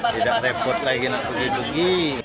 tidak repot lagi nak pergi pergi